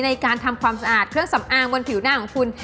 ในการทำความสะอาดเครื่องสำอางบนผิวหน้าของคุณ